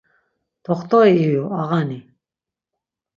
Ťoxt̆ori iyu, ağani.